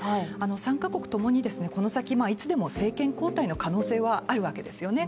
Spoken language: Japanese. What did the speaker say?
３か国ともに、この先、いつでも政権交代の可能性はあるわけですよね